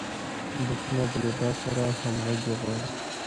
بوټونه د لباس سره همغږي غواړي.